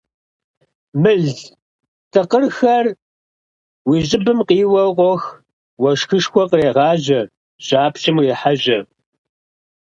Мыл тыкъырхэр уи щӀыбым къиуэу къох, уэшхышхуэ кърегъажьэ, жьапщаем урехьэжьэ.